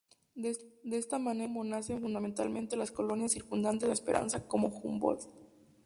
De esta manera es como nacen, fundamentalmente, las colonias circundantes a Esperanza, como Humboldt.